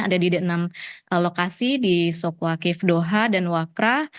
ada di enam lokasi di sokwa kif doha dan wakrah